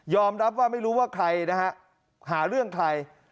ยอมรับว่าไม่รู้ว่าใครหาเรื่องใคร